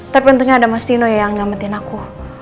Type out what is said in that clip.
tapi tentunya ada mas dino yang nyametin aku